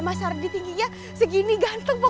mas ardi tingginya segini ganteng bu